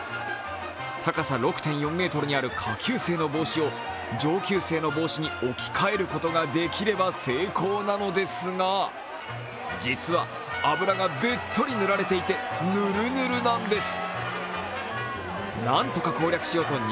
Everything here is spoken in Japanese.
高さ６．４ｍにある下級生の帽子を上級生の帽子に置き換えることができれば成功なのです実は油がべっとり塗られていてぬるぬるなんです。